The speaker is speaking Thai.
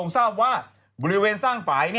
ทราบว่าบริเวณสร้างฝ่าย